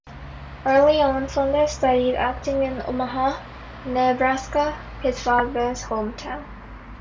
Early on, Fonda studied acting in Omaha, Nebraska, his father's home town.